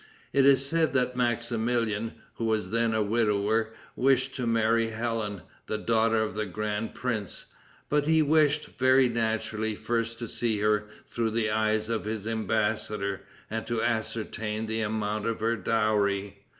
It is said that Maximilian, who was then a widower, wished to marry Helen, the daughter of the grand prince, but he wished, very naturally, first to see her through the eyes of his embassador, and to ascertain the amount of her dowry.